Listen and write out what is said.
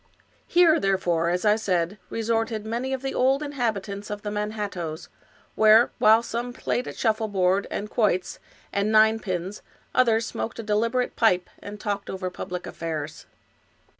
Here, therefore, as I said, resorted many of the old in habitants of the Manhattoes, where, while some played at shuffleboard and quoits,^ and ninepins, others smoked a de liberate pipe, and talked over public affairs.